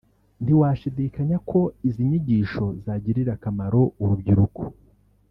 ntiwashidikanya ko izi nyigisho zagirira akamaro urubyiruko